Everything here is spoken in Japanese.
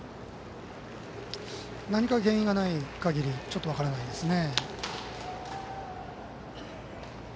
何か原因がない限りちょっと分からないですね。